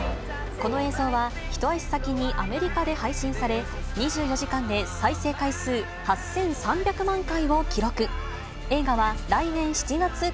この映像は一足先にアメリカで配信され、２４時間で再生回数８３００万回を記録。